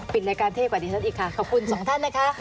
รายการเท่กว่าดิฉันอีกค่ะขอบคุณสองท่านนะคะ